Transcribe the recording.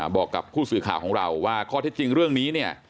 บอกกับผู้สื่อข่าวของเราว่าข้อจะจริงเกี่ยวกับเรื่องนี้